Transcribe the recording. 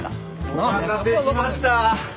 ・お待たせしました。